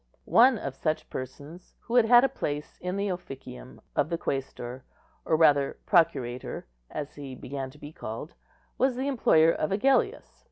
One of such persons, who had had a place in the officium of the quæstor, or rather procurator, as he began to be called, was the employer of Agellius.